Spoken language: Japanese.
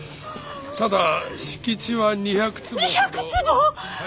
ただ敷地は２００坪。